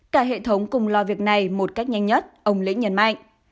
cả hệ thống cùng lo việc này một cách nhanh nhất ông lĩnh nhấn mạnh